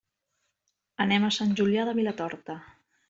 Anem a Sant Julià de Vilatorta.